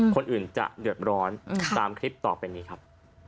คนอื่นจะเดือดร้อนตามคลิปต่อไปนี้ครับ